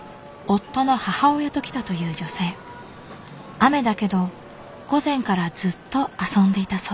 雨だけど午前からずっと遊んでいたそう。